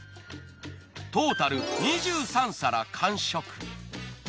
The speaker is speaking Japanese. トータル２３皿完食。